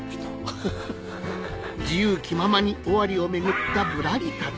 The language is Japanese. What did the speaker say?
自由気ままに尾張を巡ったぶらり旅